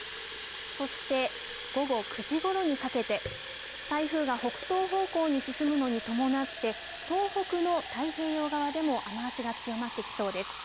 そして、午後９時ごろにかけて、台風が北東方向に進むのに伴って、東北の太平洋側でも雨足が強まってきそうです。